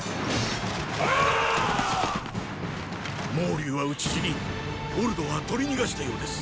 孟龍は討ち死にオルドは取り逃したようです。